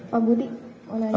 pak budi mau nanya